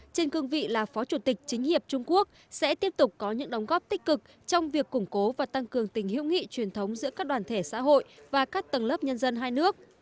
trên cương vị là phó chủ tịch chính hiệp trung quốc sẽ tiếp tục có những đóng góp tích cực trong việc củng cố và tăng cường tình hữu nghị truyền thống giữa các đoàn thể xã hội và các tầng lớp nhân dân hai nước